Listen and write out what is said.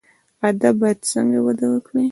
ادب باید څنګه وده وکړي؟